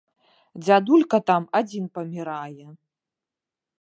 Дзядулька там адзін памірае.